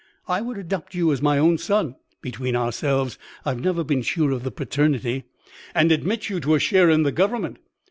I would adopt you as my own son (between ourselves, I have never been sure of the paternity), and admit you to a share in the government.